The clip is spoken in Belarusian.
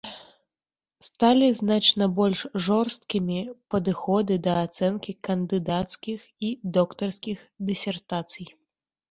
Сталі значна больш жорсткімі падыходы да ацэнкі кандыдацкіх і доктарскіх дысертацый.